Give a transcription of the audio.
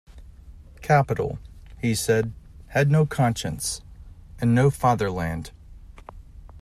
Capital, he said, had no conscience and no fatherland.